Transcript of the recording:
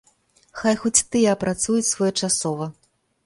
Хай хоць тыя апрацуюць своечасова.